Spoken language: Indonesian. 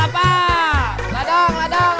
ladang ladang ladang